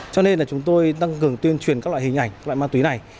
cho nên là chúng tôi tăng cường tuyên truyền các loại hình ảnh loại ma túy này